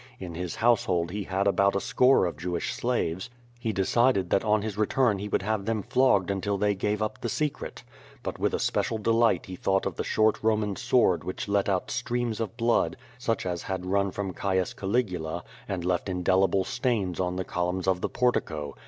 In his household he had about a score of Jewish slaves. He decided that on his return he would have them flogged until they gave up the secret. But with a special delight he thought of the short Roman sword which let out streams of blood such as had run from Caius Caligula, and left indelible stains on the columns of the por tico.